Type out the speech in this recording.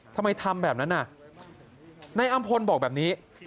ทำไมทำแบบนั้นน่ะนายอำพลบอกแบบนี้